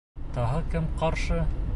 Тағы кем ҡаршы?